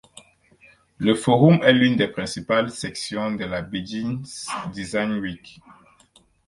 Le forum est une des principales sections de la Beijing Design Week.